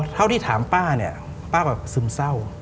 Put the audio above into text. เท่าที่ถามป้าเนี่ยป้าแบบซึมเศร้า